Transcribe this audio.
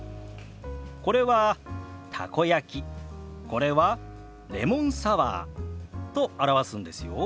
これは「たこ焼き」これは「レモンサワー」と表すんですよ。